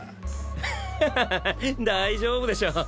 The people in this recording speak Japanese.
大丈夫でしょ。